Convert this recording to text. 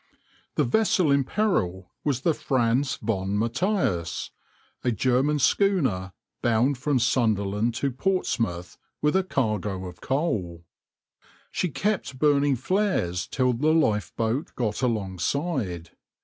The vessel in peril was the {\itshape{Franz von Matheis}}, a German schooner, bound from Sunderland to Portsmouth with a cargo of coal. She kept burning flares till the lifeboat got alongside.